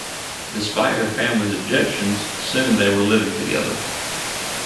Despite her family's objections, soon they were living together.